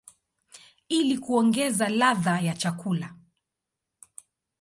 ili kuongeza ladha ya chakula.